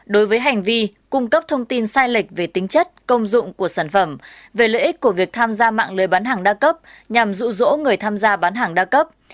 đối với hành vi cung cấp thông tin sai lệch về tính chất công dụng của sản phẩm về lợi ích của việc tham gia mạng lưới bán hàng đa cấp nhằm rụ rỗ người tham gia bán hàng đa cấp